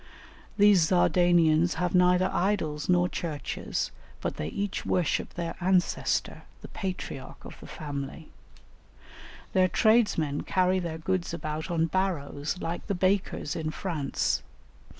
These Zardanians have neither idols nor churches, but they each worship their ancestor, the patriarch of the family. Their tradesmen carry their goods about on barrows like the bakers in France.